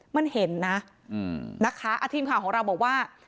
มันเห็นนะนะคะทีมข่าวของเราบอกว่า